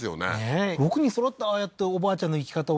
え６人そろってああやっておばあちゃんの生き方をね